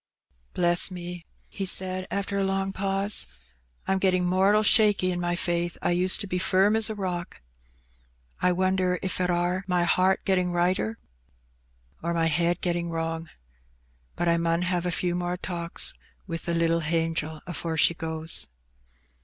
"Bless me!'' he said after a long pause, "I'm getting mortal shaky in my faith; I used to be firm as a rock. I wonder if it are my heart getting righter, or my head get ting wrong. But I mun have a few more talks wi' the little hangel afore she goes."